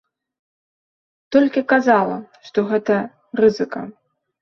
Толькі казала, што гэта рызыка.